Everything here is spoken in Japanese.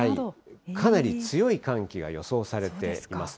かなり強い寒気が予想されています。